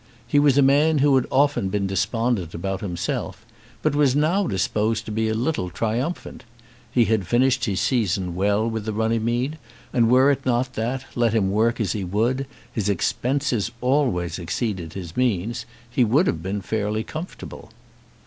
He was a man who had often been despondent about himself, but was now disposed to be a little triumphant. He had finished his season well with the Runnymede, and were it not that, let him work as he would, his expenses always exceeded his means, he would have been fairly comfortable.